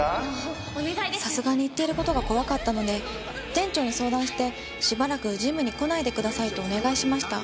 さすがに言っている事が怖かったので店長に相談してしばらくジムに来ないでくださいとお願いしました。